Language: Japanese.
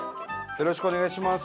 よろしくお願いします。